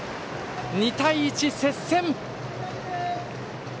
２対１、接戦！